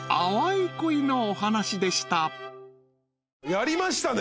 やりましたね。